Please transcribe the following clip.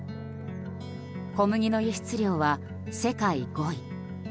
小麦の輸出量は世界５位。